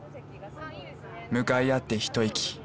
向かい合って一息。